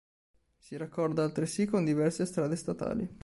Si raccorda altresì con diverse strade statali.